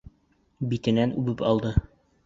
Битенән үбеп алды.